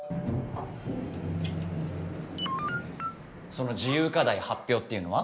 その自由課題発表っていうのは？